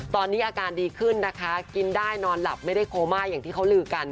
ตอนนี้อาการดีขึ้นนะคะกินได้นอนหลับไม่ได้โคม่าอย่างที่เขาลือกัน